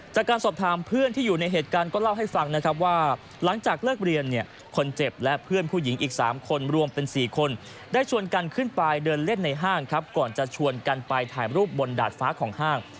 จากการสอบถามเพื่อนที่อยู่ในเหตุการณ์ก็เล่าให้ฟังนะครับว่าหลังจากเลิกเรียนเนี่ยคนเจ็บและเพื่อนผู้หญิงอีก๓คนรวมเป็น๔คนได้ชวนกันขึ้นไปเดินเล่นในห้างครับก่อนจะชวนกันไปถ่ายรูปบนดาดฟ้าของห้าง